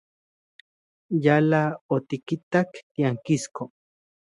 Yala otikitak tiankisko.